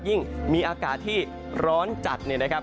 ยิ่งมีอากาศที่ร้อนจัดเนี่ยนะครับ